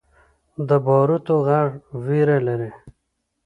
د باروتو غږ ویره لري.